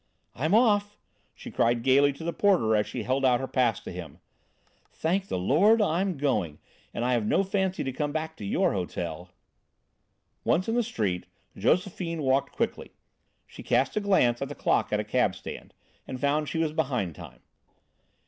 "I'm off," she cried gaily to the porter as she held out her pass to him. "Thank the Lord, I'm going, and I have no fancy to come back to your hotel!" Once in the street, Josephine walked quickly. She cast a glance at the clock at a cabstand, and found she was behind time.